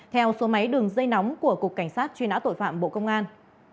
theo số máy đường dây nóng của cục cảnh sát truy nã tội phạm bộ công an